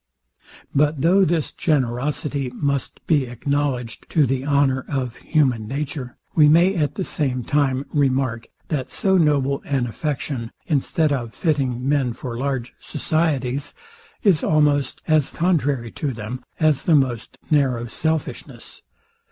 But though this generosity must be acknowledged to the honour of human nature, we may at the same time remark, that so noble an affection, instead of fitting men for large societies, is almost as contrary to them, as the most narrow selfishness.